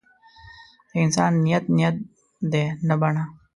د انسان نیت نیت دی نه بڼه.